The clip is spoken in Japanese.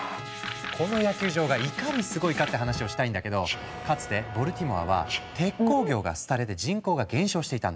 この野球場がいかにすごいかって話をしたいんだけどかつてボルティモアは鉄鋼業が廃れて人口が減少していたんだ。